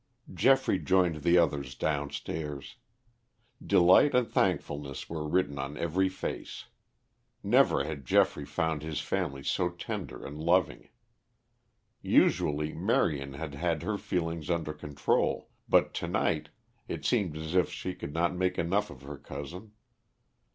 Geoffrey joined the others downstairs. Delight and thankfulness were written on every face. Never had Geoffrey found his family so tender and loving. Usually, Marion had had her feelings under control, but to night it seemed as if she could not make enough of her cousin.